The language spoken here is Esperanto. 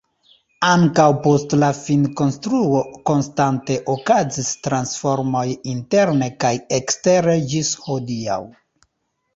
Ankaŭ post la finkonstruo konstante okazis transformoj interne kaj ekstere ĝis hodiaŭ.